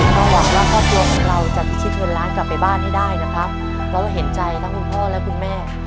ก็หวังว่าครอบครัวของเราจะพิชิตเงินล้านกลับไปบ้านให้ได้นะครับเพราะเห็นใจทั้งคุณพ่อและคุณแม่